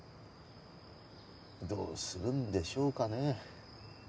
どうするんでしょうかね。